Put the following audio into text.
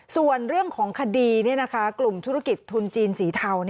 ส่วนเรื่องของคดีกลุ่มธุรกิจทุนจีนสีเทา